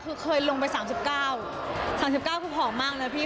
คือเคยลงไป๓๙คือผ่องมากนะพี่